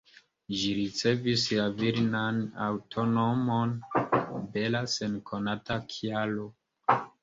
Ĝi ricevis la virinan antaŭnomon ""Bella"" sen konata kialo.